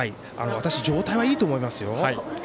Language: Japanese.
私、状態はいいと思いますよ。